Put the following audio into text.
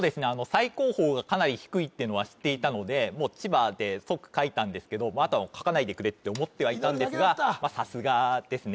最高峰がかなり低いってのは知っていたのでもう「ちば」って即書いたんですけどもうあと「書かないでくれ」って思ってはいたんですがさすがですね